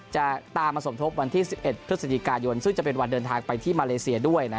จะตามมาสมทบวันที่๑๑พฤศจิกายนซึ่งจะเป็นวันเดินทางไปที่มาเลเซียด้วยนะ